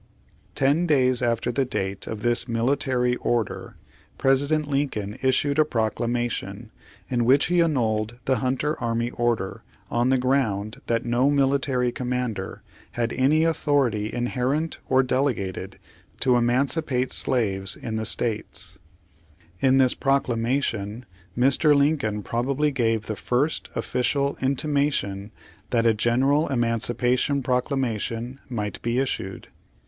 Ten days "" after the date of this military order President Lincoln issued a proclamation, in which he annuled the Hunter Army Order on the ground that no military commander had any au thority inherent or delegated to emancipate slaves ^ Sept. 11, 1861. ''May 19, 1862. ^.. Page Sixty three in the states. In this proclamation Mr. Lincoln probably gave the first official intimation that a general emancipation proclamation might be issued.